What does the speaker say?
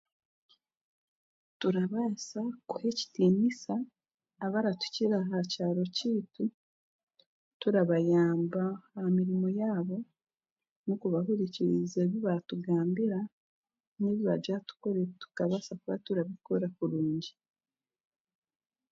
Turabaasa kuha ekitiinisa abaratukira aha kyaro kyaitu turabayamba aha mirimo yaabo n'okubahurikiriza ebi baatugambira n'ebi baagira tukore tukabaasa kuba turabikora kurungi.